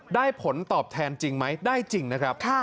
ผลตอบแทนจริงไหมได้จริงนะครับ